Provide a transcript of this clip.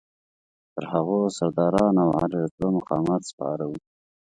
پر هغو سرداران او عالي رتبه مقامات سپاره وو.